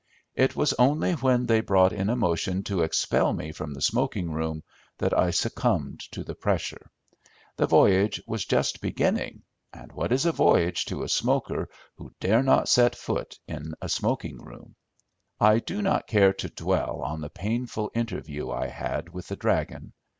It was only when they brought in a motion to expel me from the smoking room that I succumbed to the pressure. The voyage was just beginning, and what is a voyage to a smoker who dare not set foot in the smoking room? I do not care to dwell on the painful interview I had with the "dragon."